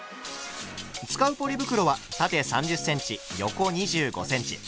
使うポリ袋は縦３０ｃｍ横２５ｃｍ。